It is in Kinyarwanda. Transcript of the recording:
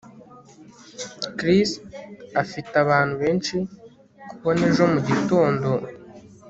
Chris afite abantu benshi kubona ejo mugitondo